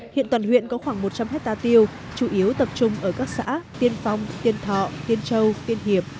hiện toàn huyện có khoảng một trăm linh hectare tiêu chủ yếu tập trung ở các xã tiên phong tiên thọ tiên châu tiên hiệp